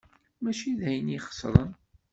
Mačči d ayen ixesren.